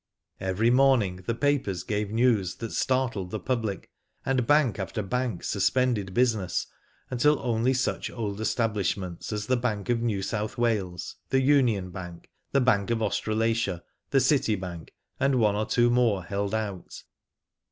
. Every morning the papers ' gave news that startled the public, and bank after bank sus pended business, until only such old establish ments as the Bank of New South Wales, the Union Bank, the Bank of Australasia, th^ City Bank, and one or two more held out.